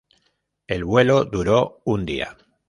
El vuelo duró un día.